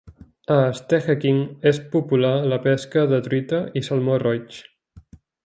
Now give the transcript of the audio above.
A Stehekin és popular la pesca de truita i salmó roig.